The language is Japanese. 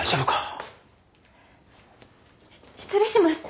失礼します。